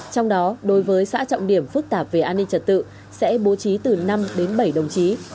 trong đó đối với xã trọng điểm phức tạp về an ninh trật tự sẽ bố trí từ năm đến bảy đồng chí